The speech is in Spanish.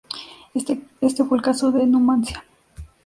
Este fue el caso de Numancia.